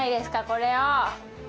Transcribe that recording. これを。